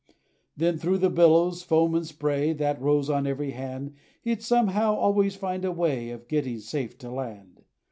Then through the billows, foam, and spray, That rose on every hand, He 'd, somehow, always find a way Of getting safe to land.